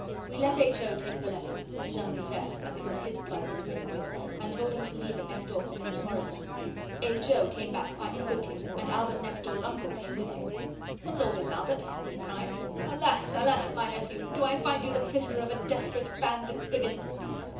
We let H. O. take the letter; it was only fair, as it was his blood it was written with, and told him to leave it next door for Mrs Morrison. H. O. came back quite quickly, and Albert next door's uncle came with him. 'What is all this, Albert?' he cried. 'Alas, alas, my nephew! Do I find you the prisoner of a desperate band of brigands?